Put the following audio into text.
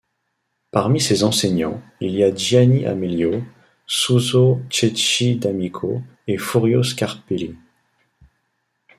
Parmi ses enseignants il y a Gianni Amelio, Suso Cecchi D'Amico et Furio Scarpelli.